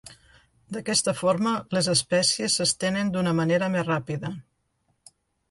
D’aquesta forma les espècies s’estenen d’una manera més ràpida.